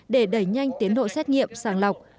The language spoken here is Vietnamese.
để đẩy nhanh tiến đội xét nghiệm sàng lọc